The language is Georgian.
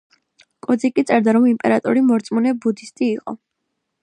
კოძიკი წერდა, რომ იმპერატორი მორწმუნე ბუდისტი იყო.